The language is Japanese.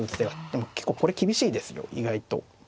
でも結構これ厳しいですよ意外と。